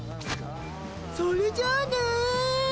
それじゃあね。